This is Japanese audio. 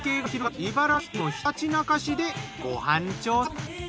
茨城県のひたちなか市でご飯調査。